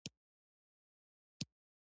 ایا صفايي مو خوښه شوه؟